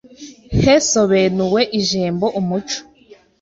Hesobenuwe ijembo umuco,